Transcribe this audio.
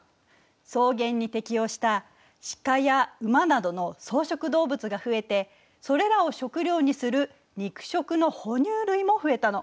草原に適応したシカやウマなどの草食動物が増えてそれらを食料にする肉食の哺乳類も増えたの。